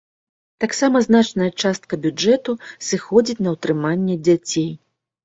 Таксама значная частка бюджэту сыходзіць на ўтрыманне дзяцей.